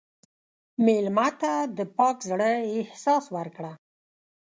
مېلمه ته د پاک زړه احساس ورکړه.